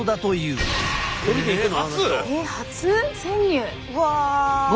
うわ。